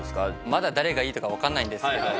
まだ誰がいいとか分かんないけど。